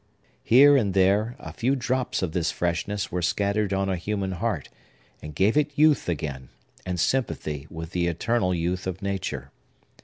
Here and there, a few drops of this freshness were scattered on a human heart, and gave it youth again, and sympathy with the eternal youth of nature.